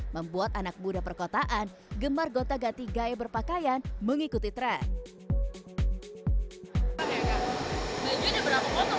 membuat anak muda perkotaan gemar gota ganti gaya berpakaian mengikuti tren